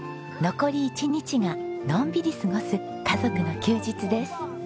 残り１日がのんびり過ごす家族の休日です。